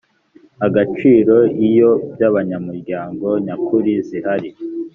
agaciro iyo by abanyamuryango nyakuri zihari